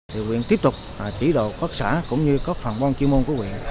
thì huyện tiếp tục chỉ đồ quốc xã cũng như các phòng ban chuyên môn của huyện